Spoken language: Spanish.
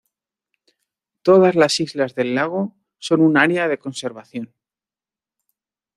Todas las islas del lago son un área de conservación.